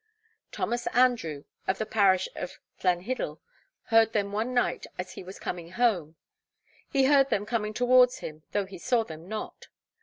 Thomas Andrew, of the parish of Llanhiddel, heard them one night as he was coming home. 'He heard them coming towards him, though he saw them not.'